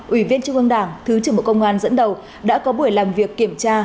ủy viên trung ương đảng thứ trưởng bộ công an dẫn đầu đã có buổi làm việc kiểm tra